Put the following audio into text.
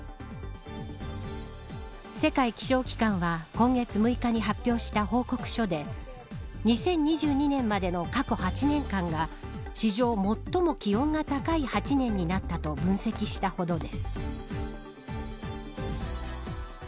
世界気象機関は今月６日に発表した報告書で２０２２年までの過去８年間が史上、最も気温が高い８年になったと分析したほどです。